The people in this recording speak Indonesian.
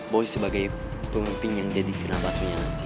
boy sebagai penghimpin yang jadi kenapa punya nanti